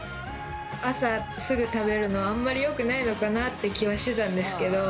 朝すぐ食べるのあんまりよくないのかなって気はしてたんですけど。